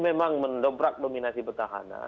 memang mendobrak nominasi petahana